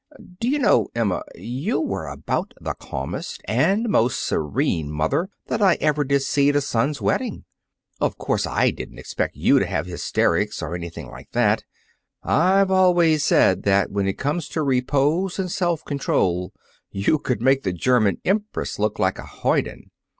"D'you know, Emma, you were about the calmest and most serene mother that I ever did see at a son's wedding. Of course I didn't expect you to have hysterics, or anything like that. I've always said that, when it came to repose and self control, you could make the German Empress look like a hoyden.